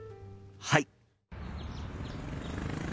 はい！